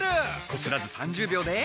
こすらず３０秒で。